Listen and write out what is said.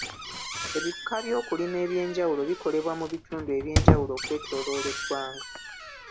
Ebika by'okulima eby'enjawulo bikolebwa mu bitundu eby'enjawulo okwetooloola eggwanga.